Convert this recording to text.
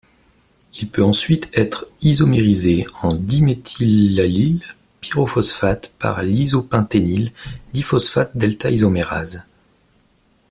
Il peut ensuite être isomérisé en diméthylallyl-pyrophosphate par l'isopentényle diphosphate delta-isomérase.